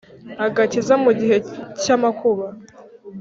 agakiza mu gihe cy amakuba